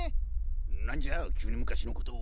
なんじゃ急に昔のことを。